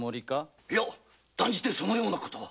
いや断じてそのような事は！